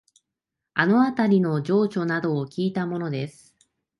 あのあたりの情緒などをきいたものです